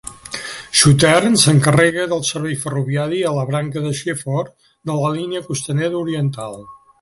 Southern s'encarrega del servei ferroviari a la branca de Seaford de la línia costanera oriental.